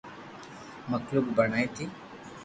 مخلوق بڻائي ٿي